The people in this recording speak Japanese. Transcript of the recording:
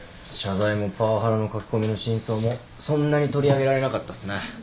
謝罪もパワハラの書き込みの真相もそんなに取り上げられなかったっすね。